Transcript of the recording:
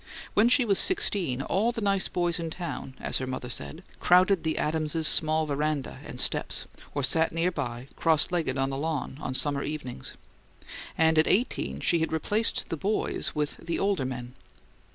When she was sixteen "all the nice boys in town," as her mother said, crowded the Adamses' small veranda and steps, or sat near by, cross legged on the lawn, on summer evenings; and at eighteen she had replaced the boys with "the older men."